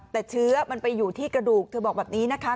แต่เชื้อมันไปอยู่ที่กระดูกเธอบอกแบบนี้นะคะ